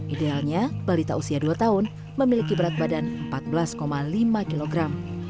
idealnya balita usia dua tahun memiliki berat badan empat belas lima kilogram